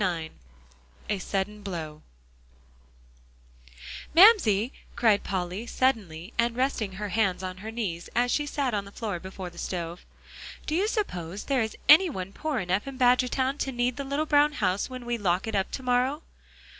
IX A SUDDEN BLOW "Mamsie," cried Polly, suddenly, and resting her hands on her knees as she sat on the floor before the stove, "do you suppose there is any one poor enough in Badgertown to need the little brown house when we lock it up to morrow?"